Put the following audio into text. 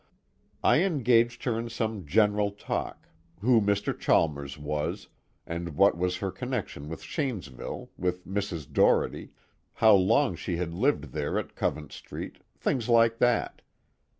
I engaged her in some general talk: who Dr. Chalmers was, and what was her connection with Shanesville, with Mrs. Doherty, how long she had lived there at Covent Street, things like that.